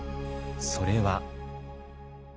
それは。